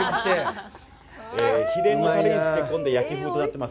秘伝のタレに漬け込んだ焼きフグになっています。